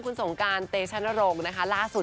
คุณศงการเตชัณฐ์โรงนะฮะล่าสุด